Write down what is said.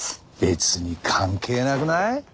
別に関係なくない？